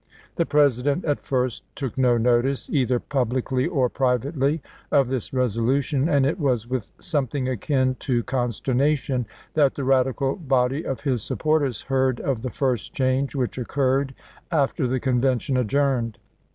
The Pres ident at first took no notice, either publicly or privately, of this resolution, and it was with some thing akin to consternation that the radical body of his supporters heard of the first change which occurred after the Convention adjourned.